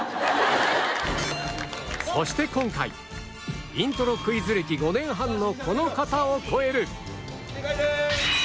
そして今回イントロクイズ歴５年半のこの方を超える